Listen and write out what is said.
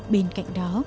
bên cạnh đó